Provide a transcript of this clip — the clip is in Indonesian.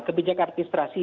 kebijak artis terasih